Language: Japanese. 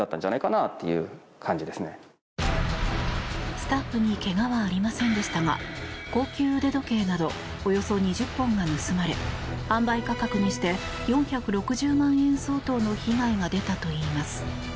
スタッフにけがはありませんでしたが高級腕時計などおよそ２０本が盗まれ販売価格にして４６０万円相当の被害が出たといいます。